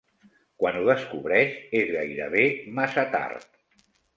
Quan ho descobreix, és gairebé massa tard.